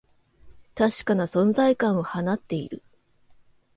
確かな存在感を放っている